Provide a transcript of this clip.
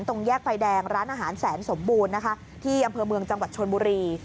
ตรงแยกไฟแดงร้านอาหารแสนสมบูรณ์นะคะที่อำเภอเมืองจังหวัดชนบุรี